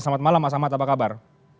selamat malam mas ahmad apa kabar